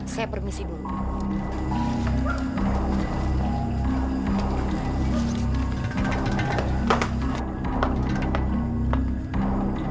saya permisi dulu